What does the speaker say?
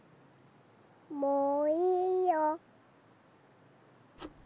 もういいよ。